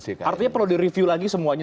artinya perlu direview lagi semuanya